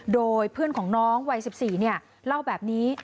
โดยเพื่อนของน้องวัย๑๔เล่าแบบนี้